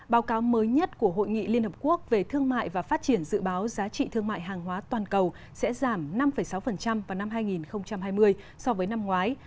báo cáo mới nhất của hội nghị liên hợp quốc về thương mại và phát triển dự báo giá trị thương mại hàng hóa toàn cầu sẽ giảm năm sáu vào năm hai nghìn hai mươi so với năm ngoái